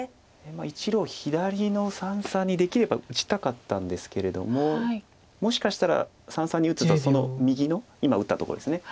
１路左の三々にできれば打ちたかったんですけれどももしかしたら三々に打つとその右の今打ったとこですね。